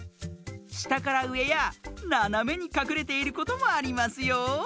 したからうえやななめにかくれていることもありますよ。